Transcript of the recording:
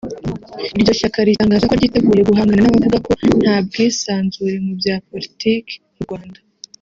Iryo shyaka ritangaza ko ryiteguye guhangana n’abavuga ko nta bwisanzure mu bya politiki mu Rwanda